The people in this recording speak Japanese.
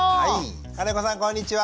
金子さんこんにちは。